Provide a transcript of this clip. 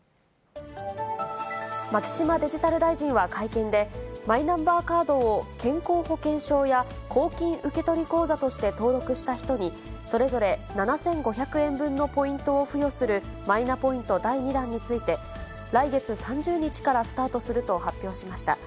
牧島デジタル大臣は会見で、マイナンバーカードを健康保険証や公金受取口座として登録した人に、それぞれ７５００円分のポイントを付与するマイナポイント第２弾について、来月３０日からスタートすると発表しました。